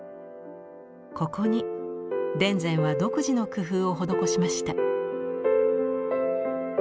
ここに田善は独自の工夫を施しました。